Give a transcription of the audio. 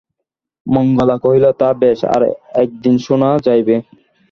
মঙ্গলা কহিল, তা বেশ, আর-একদিন শুনা যাইবে।